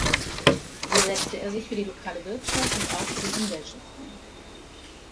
So setzte er sich für die lokale Wirtschaft und auch für den Umweltschutz ein.